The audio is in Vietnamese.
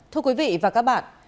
thưa quý vị và các bạn